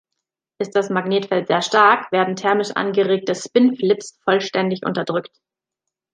Ist das Magnetfeld sehr stark, werden thermisch angeregte Spin-Flips vollständig unterdrückt.